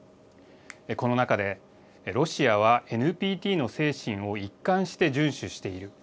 この中で、ロシアはＮＰＴの精神を一貫して順守している。